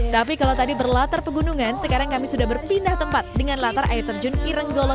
tapi kalau tadi berlatar pegunungan sekarang kami sudah berpindah tempat dengan latar air terjun irenggolo